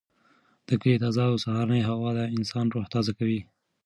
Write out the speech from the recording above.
د کلي تازه او سهارنۍ هوا د انسان روح تازه کوي.